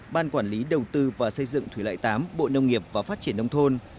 ban quản lý đầu tư và xây dựng thủy lợi tám bộ nông nghiệp và phát triển nông thôn